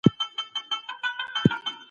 دا د سرچینو څخه د غوره ګټې اخیستنې بېلګه ده.